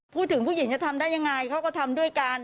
ผู้หญิงจะทำได้ยังไงเขาก็ทำด้วยกัน